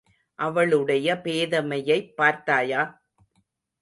அவளுடைய பேதமையைப் பார்த்தாயா?